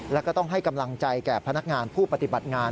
แล้วก็ต้องให้กำลังใจแก่พนักงานผู้ปฏิบัติงาน